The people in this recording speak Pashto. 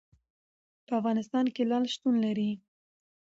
په افغانستان کې لعل شتون لري.